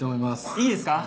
いいですか！